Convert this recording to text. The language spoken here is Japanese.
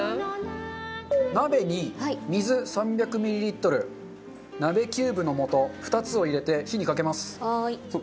鍋に水３００ミリリットル鍋キューブの素２つを入れて火にかけます。